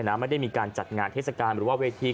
ไม่ได้มีการจัดงานเทศกาลบางวีที